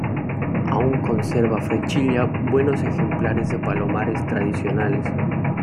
Aún conserva Frechilla buenos ejemplares de Palomares tradicionales.